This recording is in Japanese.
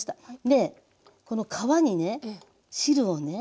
でこの皮にね汁をね